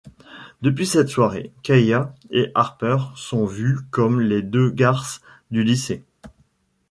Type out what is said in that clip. Depuis cette soirée, Kaia et Harper sont vues comme les deux garces du lycée.